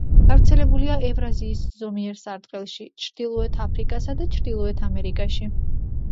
გავრცელებულია ევრაზიის ზომიერ სარტყელში, ჩრდილოეთ აფრიკასა და ჩრდილოეთ ამერიკაში.